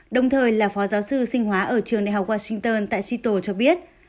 đồng thời là phó giáo sư sinh hóa ở trường đại học washington tại sito cho biết